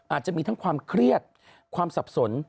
อาจจะมีทั้งความเครียดความสับสน